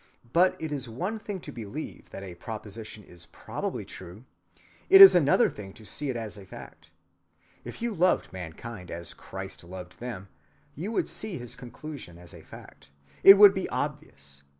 But it is one thing to believe that a proposition is probably true; it is another thing to see it as a fact. If you loved mankind as Christ loved them, you would see his conclusion as a fact. It would be obvious.